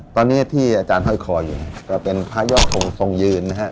ตอนนี้ที่อาจารย์ห้อยคออยู่ก็เป็นพระยอดทงทรงยืนนะฮะ